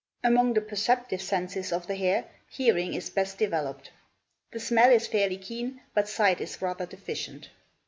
Among the perceptive senses of the hare, hearing is best developed; the smell is fairly keen, but sight is rather deficient.